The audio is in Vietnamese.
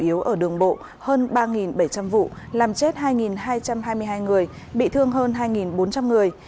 chủ yếu ở đường bộ hơn ba bảy trăm linh vụ làm chết hai hai trăm hai mươi hai người bị thương hơn hai bốn trăm linh người